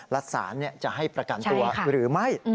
รัฐศาสน์จะให้ประกันตัวหรือไม่